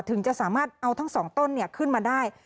ถึงจะสามารถเอาทั้งสองต้นขึ้นมาได้